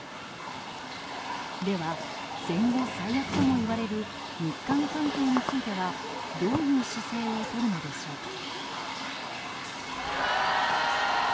では、戦後最悪ともいわれる日韓関係についてはどういう姿勢をとるのでしょうか。